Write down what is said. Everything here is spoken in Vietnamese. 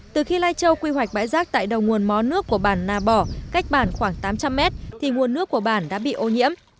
từ khi lai châu quy hoạch bãi rác tại đầu nguồn mó nước của bản na bò cách bản khoảng tám trăm linh mét thì nguồn nước của bản đã bị ô nhiễm